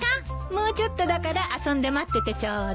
もうちょっとだから遊んで待っててちょうだい。